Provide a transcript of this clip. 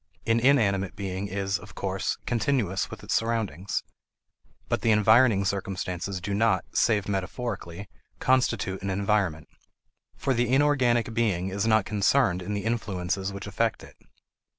An inanimate being is, of course, continuous with its surroundings; but the environing circumstances do not, save metaphorically, constitute an environment. For the inorganic being is not concerned in the influences which affect it.